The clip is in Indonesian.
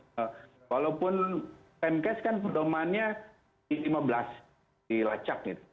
dan walaupun pemkes kan perdomannya di lima belas di lecak